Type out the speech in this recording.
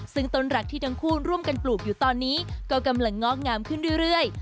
ซึ่งต้นรักที่ทั้งคู่ร่วมกันปลูกอยู่ตอนนี้ก็กำลังงอกงามขึ้นเรื่อย